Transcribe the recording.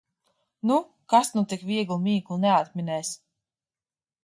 Nu, kas nu tik vieglu mīklu neatminēs!